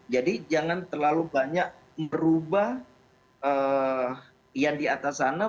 jangan terlalu banyak merubah yang di atas sana